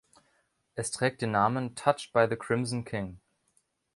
Es trägt den Namen "Touched by the Crimson King".